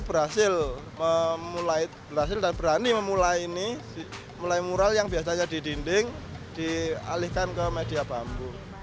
berhasil memulai berhasil dan berani memulai ini mulai mural yang biasanya di dinding dialihkan ke media bambu